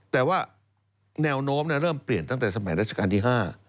แต่ว่าแนวโน้มเริ่มเปลี่ยนตั้งแต่สมัยราชการที่๕